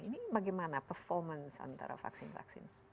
ini bagaimana performance antara vaksin vaksin